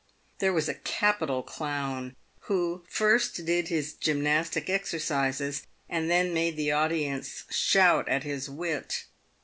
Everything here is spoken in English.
There was a capital clown, who first did his gymnastic exercises, and then made the audience shout at his wit.